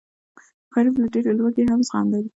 غریب له ډېرې لوږې هم زغم لري